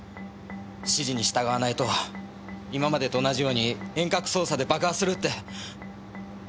指示に従わないと今までと同じように遠隔操作で爆破する」って。